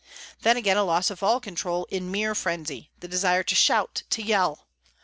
Then again a loss of all control in mere frenzy, the desire to shout, to yell....